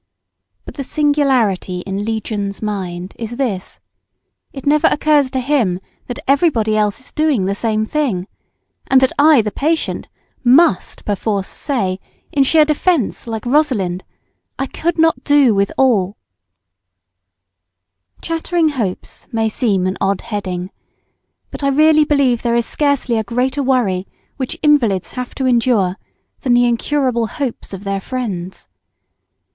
But the singularity in Legion's mind is this: it never occurs to him that everybody else is doing the same thing, and that I the patient must perforce say, in sheer self defence, like Rosalind, "I could not do with all." [Sidenote: Chattering hopes the bane of the sick.] "Chattering Hopes" may seem an odd heading. But I really believe there is scarcely a greater worry which invalids have to endure than the incurable hopes of their friends.